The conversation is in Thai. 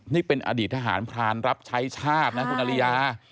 นี่เป็นอดีตทหารพรานรับใช้ชาตินะคุณอริยา